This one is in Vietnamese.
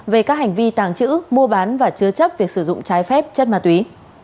về các hành vi tảng chữ mua bán và chưa chấp việc sử dụng trái phép chân ma túy